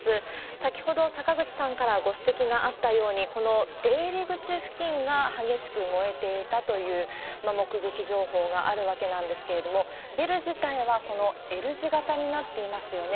先ほど、坂口さんからご指摘があったように、この出入り口付近が激しく燃えていたという目撃情報があるわけなんですけれども、ビル自体はＬ字型になっていますよね。